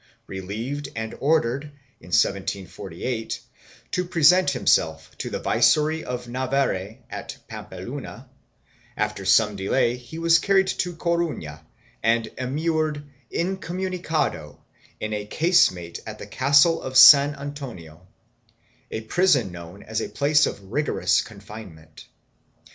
Relieved and ordered, in 1748, to present himself to the Viceroy of Navarre at Pampeluna, after some delay he was carried to Coruna and immured incomunicado in a casemate of the castle of San Antonio, a prison known as a place of rigorous confinement.